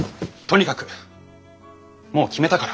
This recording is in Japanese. とにかくもう決めたから。